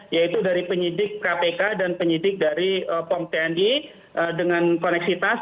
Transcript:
yaitu dari penyidik kpk dan penyidik dari pom tni dengan koneksitas